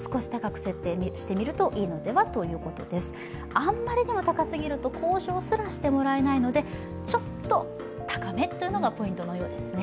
あんまりにも高すぎると交渉すらしてもらえないのでちょっと高めというのがポイントのようですね。